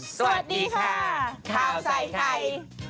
สวัสดีค่ะข้าวใส่ไข่